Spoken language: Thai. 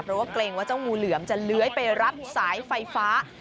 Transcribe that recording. เพราะว่าเกรงว่าเจ้างูเหลือมจะเลื้อยไปรัดสายไฟฟ้า